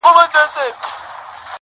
هم شهید وي هم غازي پر زمانه وي -